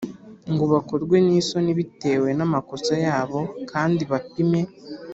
Ngo bakorwe n isoni bitewe n amakosa yabo kandi bapime